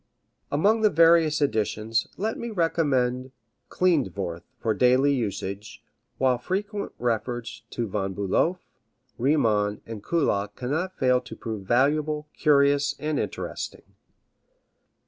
Among the various editions let me recommend Klindworth for daily usage, while frequent reference to Von Bulow, Riemann and Kullak cannot fail to prove valuable, curious and interesting.